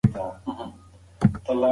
نوی شعر آزاده او نوښتګر دی.